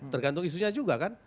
tergantung isunya juga kan